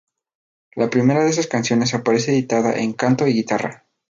La primera de estas canciones aparece editada en "Canto y Guitarra".